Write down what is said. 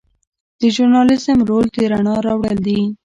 د ژورنالیزم رول د رڼا راوړل دي.